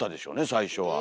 最初は。